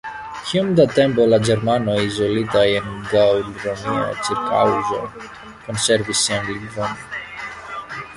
Kiom da tempo la Ĝermanoj izolitaj en gaŭl-romia ĉirkaŭaĵo konservis sian lingvon?